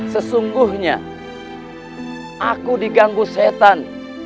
sesungguhnya aku diganggu setan